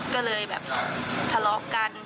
ก็เลยแบบทะเลาะกัน